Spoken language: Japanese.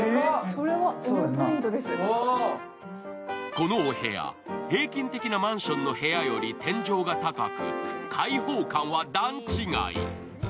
このお部屋、平均的なマンションの部屋より天井が高く、開放感は段違い。